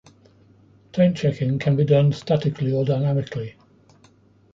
Taint checking can be done statically or dynamically.